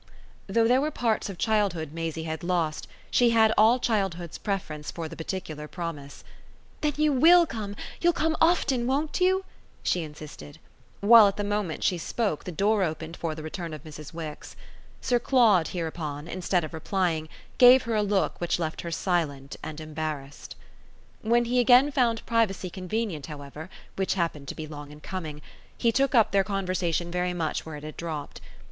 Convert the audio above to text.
Though there were parts of childhood Maisie had lost she had all childhood's preference for the particular promise. "Then you WILL come you'll come often, won't you?" she insisted; while at the moment she spoke the door opened for the return of Mrs. Wix. Sir Claude hereupon, instead of replying, gave her a look which left her silent and embarrassed. When he again found privacy convenient, however which happened to be long in coming he took up their conversation very much where it had dropped.